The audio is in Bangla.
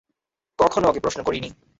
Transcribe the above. কখনও ওকে প্রশ্ন করিনি।